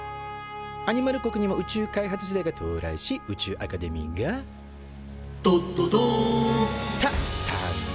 アニマル国にも宇宙開発時代が到来し宇宙アカデミーが「ドッドドーン！」と誕生。